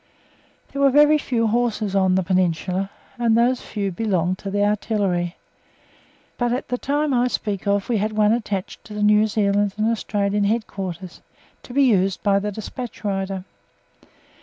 There were very few horses on the Peninsula, and those few belonged to the Artillery. But at the time I speak of we had one attached to the New Zealand and Australian Headquarters, to be used by the despatch rider.